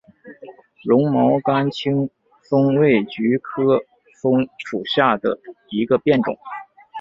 绒毛甘青蒿为菊科蒿属下的一个变种。